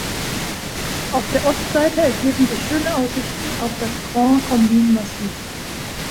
Auf der Ostseite ergeben sich schöne Aussichten auf das Grand-Combin-Massiv.